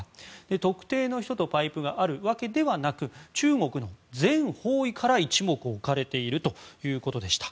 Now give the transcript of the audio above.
特定の人とパイプがあるわけではなく中国の全方位から一目置かれているということでした。